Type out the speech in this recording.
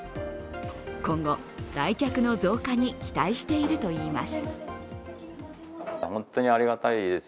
今後、来客の増加に期待しているといいます。